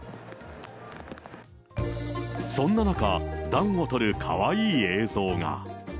そんな中、暖を取るかわいい映像が。